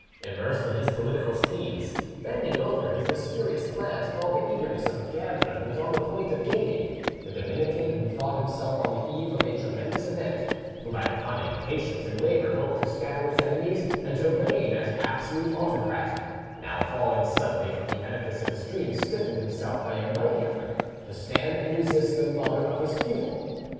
Immersed in his political schemes, bending over his mysterious plans with all the eagerness of a gambler who is on the point of gaining, the Dominican, who thought himself on the eve of a tremendous event, who by cunning, patience, and labour hoped to scatter his enemies and to reign as absolute autocrat, now falling suddenly from the edifice of his dream, stiffened himself by a mighty effort to stand and resist the mother of his pupil.